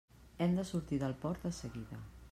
Hem de sortir del port de seguida.